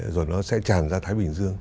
rồi nó sẽ tràn ra thái bình dương